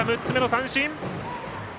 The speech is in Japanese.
６つ目の三振。